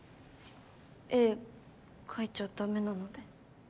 絵描いちゃダメなので。